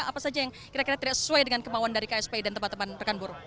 apa saja yang kira kira tidak sesuai dengan kemauan dari kspi dan teman teman rekan buruh